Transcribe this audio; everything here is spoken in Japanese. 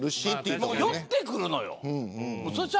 寄ってくるのよ。